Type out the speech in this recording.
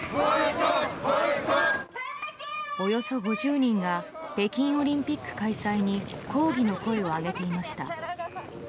およそ５０人が北京オリンピック開催に抗議の声を上げていました。